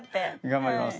頑張ります。